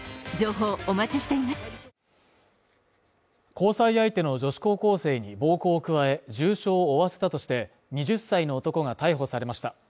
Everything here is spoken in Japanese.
交際相手の女子高校生に暴行を加え重傷を負わせたとして２０歳の男が逮捕されました。